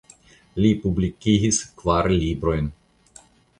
Li publikigis kvar librojn.